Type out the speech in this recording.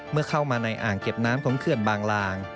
เมื่อเข้ามาในอ่างเก็บน้ำของเขื่อนบางลาง